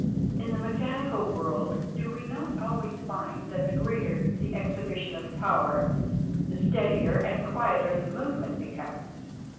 In the mechanical world do we not always find that the greater the exhibition of power the steadier and quieter the movement becomes?